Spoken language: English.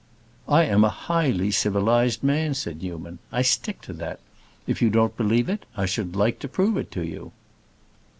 "I am a highly civilized man," said Newman. "I stick to that. If you don't believe it, I should like to prove it to you."